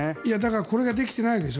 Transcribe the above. これができてないんですよ。